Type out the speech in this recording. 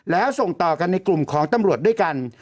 แล้วส่งต่อกันในกลุ่มของตำรวจด้วยกัน